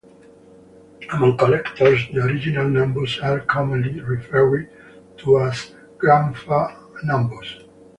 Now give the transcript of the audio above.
Among collectors, the original Nambus are commonly referred to as Grandpa Nambus.